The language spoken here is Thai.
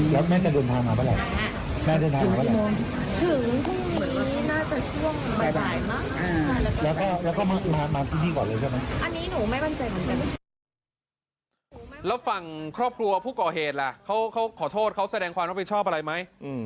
แล้วฝั่งครอบครัวผู้ก่อเหตุล่ะเขาขอโทษเขาแสดงความรับผิดชอบอะไรไหม